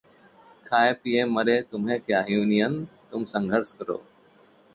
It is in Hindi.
'खाएं पिएं मरें- तुम्हें क्या यूनियन' तुम संघर्ष करो